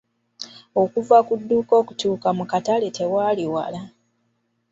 Okuva ku dduuka okutuuka mu katale tewaali wala.